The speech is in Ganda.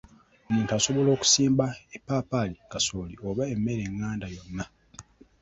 "Omuntu asobola okusimba eppaapaali, kasooli, oba emmere enganda yonna."